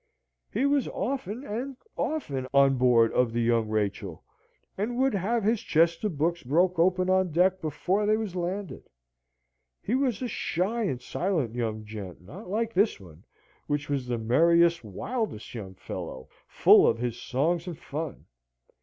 He was often and often on board of the Young Rachel, and would have his chests of books broke open on deck before they was landed. He was a shy and silent young gent: not like this one, which was the merriest, wildest young fellow, full of his songs and fun.